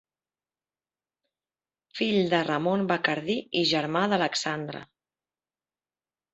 Fill de Ramon Bacardí i germà d'Alexandre.